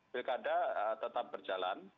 pilkada tetap berjalan